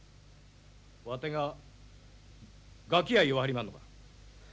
わてがガキや言わはりまんのか。